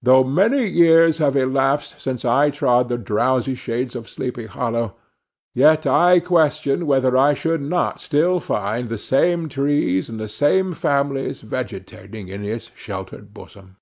Though many years have elapsed since I trod the drowsy shades of Sleepy Hollow, yet I question whether I should not still find the same trees and the same families vegetating in its sheltered bosom.